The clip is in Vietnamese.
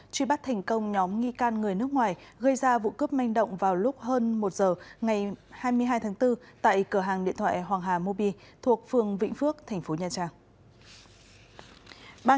truy bắt thành công nhóm nghi can người nước ngoài gây ra vụ cướp manh động vào lúc hơn một giờ ngày hai mươi hai tháng bốn tại cửa hàng điện thoại hoàng hà mobi thuộc phường vĩnh phước thành phố nha trang